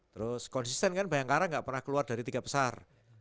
terus konsisten kan bayangkara nggak pernah keluar dari tiga besar